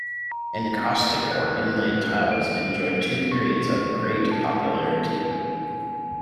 Encaustic or inlaid tiles enjoyed two periods of great popularity.